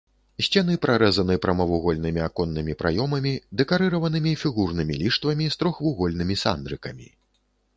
Сцены прарэзаны прамавугольнымі аконнымі праёмамі, дэкарыраванымі фігурнымі ліштвамі з трохвугольнымі сандрыкамі.